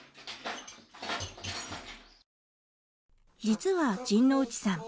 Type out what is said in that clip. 実は陣内さん